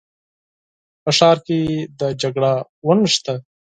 په ښار کې د جګړه ونښته.